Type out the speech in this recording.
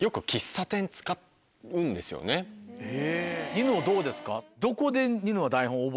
ニノどうですか？